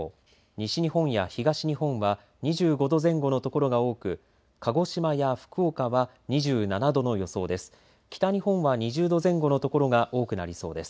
西日本や東日本は２５度前後の所が多く鹿児島や福岡は２７度の予想です。